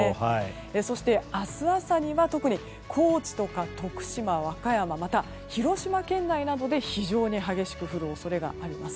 そして、明日朝には特に高知とか徳島、和歌山また広島県内などで非常に激しく降る恐れがあります。